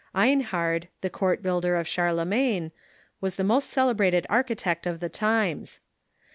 Einhard, the court builder of Charlemagne, was the most celebrated architect of the times.